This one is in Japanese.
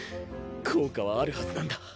効果はあるはずなんだ。